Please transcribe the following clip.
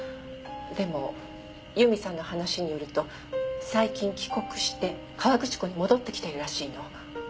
でも由美さんの話によると最近帰国して河口湖に戻ってきているらしいの。